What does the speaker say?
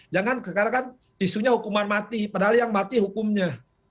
jangan karena kan isunya hukuman mati padahal yang mati hukumnya